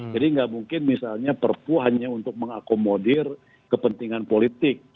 jadi gak mungkin misalnya perpu hanya untuk mengakomodir kepentingan politik